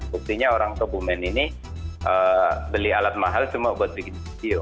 buktinya orang kebumen ini beli alat mahal cuma buat bikin video